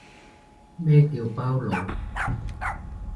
咩叫包佬